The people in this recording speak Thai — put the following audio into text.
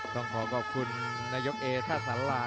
ต้องขอขอบคุณนายกเอท่าสารา